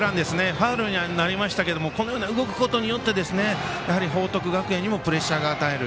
ファウルにはなりましたがこのように動くことによってやはり報徳学園にもプレッシャーを与える。